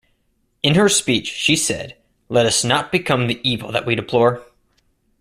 In her speech she said, "let us not become the evil that we deplore".